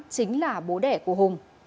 chính là bố đẻ của hùng